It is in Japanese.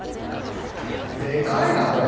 でかいな、これ。